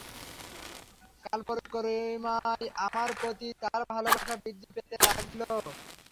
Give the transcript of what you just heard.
কালপরিক্রমায় আমার প্রতি তার ভালবাসা বৃদ্ধি পেতেই লাগল।